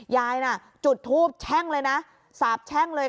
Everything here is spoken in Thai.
ยายน่ะจุดทูบแช่งเลยนะสาบแช่งเลย